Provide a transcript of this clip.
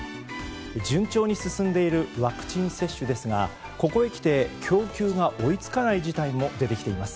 順調に進んでいるワクチン接種ですがここへきて供給が追い付かない事態も出てきています。